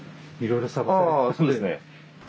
ああそうですね。